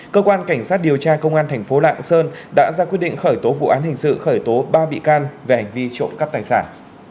cơ quan cảnh sát điều tra công an thành phố lạng sơn đã ra quyết định khởi tố vụ án hình sự khởi tố ba bị can về hành vi trộm cắp tài sản